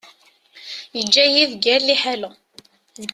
Yeǧǧa-yi deg yir liḥala.